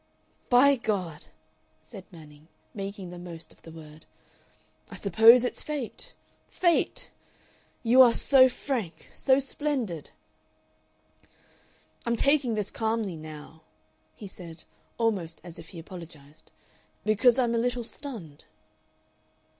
"By God!" said Manning, making the most of the word, "I suppose it's fate. Fate! You are so frank so splendid! "I'm taking this calmly now," he said, almost as if he apologized, "because I'm a little stunned."